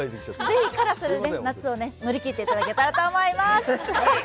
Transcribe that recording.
ぜひ辛さで夏を乗り切っていただけたらと思います。